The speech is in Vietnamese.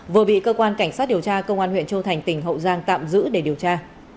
vừa bị cơ quan cảnh sát điều tra công an huyện châu thành tỉnh hậu giang tạm giữ để điều tra